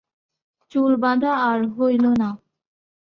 চুল বাঁধা আর হইল না।